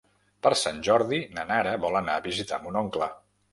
Per Sant Jordi na Nara vol anar a visitar mon oncle.